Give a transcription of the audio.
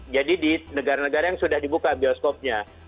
jadi di negara negara yang sudah dibuka bioskopnya